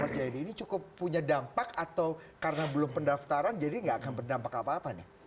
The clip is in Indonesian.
jadi ini cukup punya dampak atau karena belum pendaftaran jadi nggak akan berdampak apa apa nih